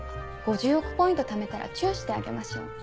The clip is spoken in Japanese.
５０億ポイントためたらチュしてあげましょう。